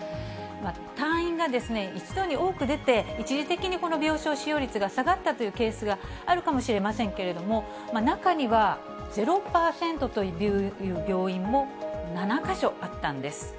退院が一度に多く出て、一時的にこの病床使用率が下がったというケースがあるかもしれませんけれども、中には、０％という病院も７か所あったんです。